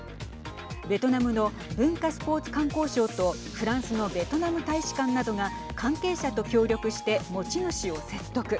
ベトナムの文化スポーツ観光省とフランスのベトナム大使館などが関係者と協力して持ち主を説得。